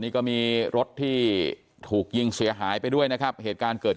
นี่ก็มีรถที่ถูกยิงเสียหายไปด้วยนะครับเหตุการณ์เกิด